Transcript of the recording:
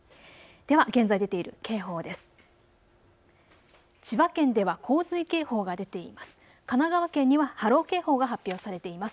では現在出ている警報です。